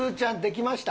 きました。